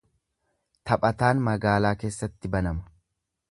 Taphataan magaalaa keessatti banama.